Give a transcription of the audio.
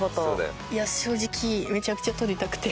正直めちゃくちゃ撮りたくて。